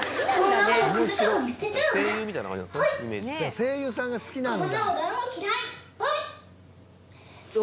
声優さんが好きなんだ。